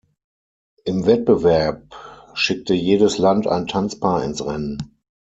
Im Wettbewerb schickte jedes Land ein Tanzpaar ins Rennen.